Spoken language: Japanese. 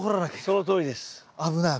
そのとおりです。